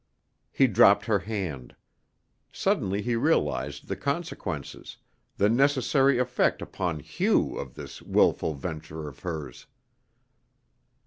He dropped her hand. Suddenly he realized the consequences, the necessary effect upon Hugh of this willful venture of hers.